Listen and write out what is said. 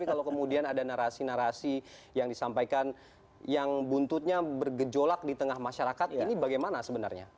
tapi kalau kemudian ada narasi narasi yang disampaikan yang buntutnya bergejolak di tengah masyarakat ini bagaimana sebenarnya